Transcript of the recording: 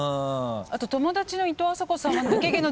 あと友達のいとうあさこさんは。